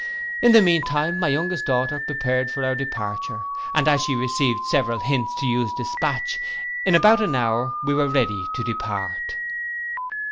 In the mean time my youngest daughter prepared for our departure, and as she received several hints to use dispatch, in about an hour we were ready to depart.